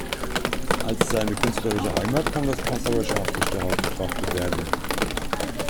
Als seine künstlerische Heimat kann das Passauer Scharfrichterhaus betrachtet werden.